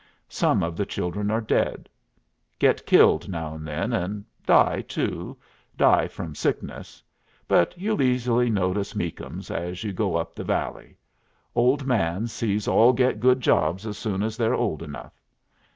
Some of the children are dead. Get killed now and then, and die too die from sickness. But you'll easily notice Meakums as you go up the valley. Old man sees all get good jobs as soon as they're old enough.